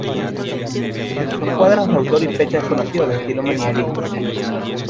Son cuadros de autor y fecha desconocidos, de estilo manierista.